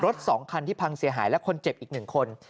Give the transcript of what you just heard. ๒คันที่พังเสียหายและคนเจ็บอีก๑คน